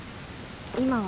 今は。